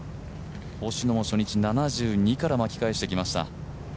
星野も初日７２から巻き返してきました。